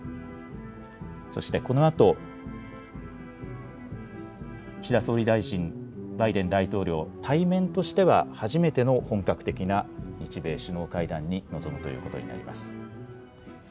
そして、このあと岸田総理大臣、バイデン大統領、対面としては初めての本格的な日米首脳会談に臨むということになります。